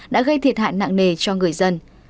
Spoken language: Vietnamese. đã gây thiệt hại nặng nề cho người dân